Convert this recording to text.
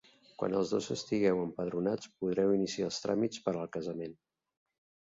Quan els dos estigueu empadronats, podreu iniciar els tràmits per al casament.